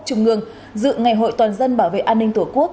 trung ương dự ngày hội toàn dân bảo vệ an ninh tổ quốc